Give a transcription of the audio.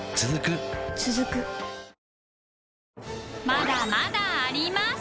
まだまだあります